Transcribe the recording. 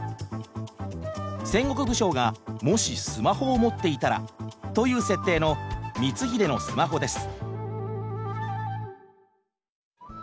「戦国武将がもしスマホを持っていたら」という設定の「光秀のスマホ」です。